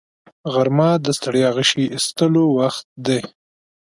غرمه د ستړیا غشي ایستلو وخت دی